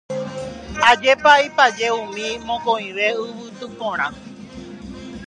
Ajépa ipaje umi mokõive yvoty porã